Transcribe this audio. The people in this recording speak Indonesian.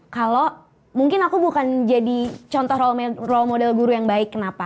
kalau mungkin aku bukan jadi contoh role model guru yang baik kenapa